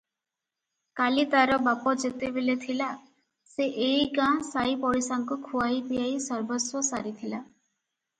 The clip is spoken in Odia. କାଲି ତାର ବାପ ଯେତେବେଳେ ଥିଲା, ସେ ଏଇ ଗାଁ ସାଇପଡ଼ିଶାଙ୍କୁ ଖୁଆଇ ପିଆଇ ସର୍ବସ୍ୱ ସାରିଥିଲା ।